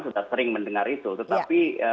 sudah sering mendengar itu tetapi